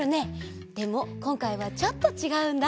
でもこんかいはちょっとちがうんだ。